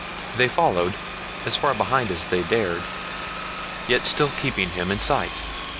They followed, as far behind as they dared, yet still keeping him in sight.